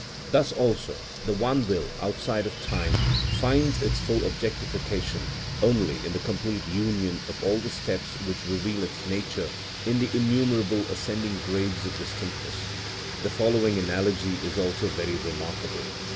Thus also the one will outside of time finds its full objectification only in the complete union of all the steps which reveal its nature in the innumerable ascending grades of distinctness. The following analogy is also very remarkable.